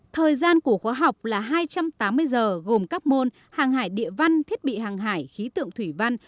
thời gian của khóa học là hai trăm tám mươi giờ gồm các môn hàng hải địa văn thiết bị hàng hải khí tượng thủy văn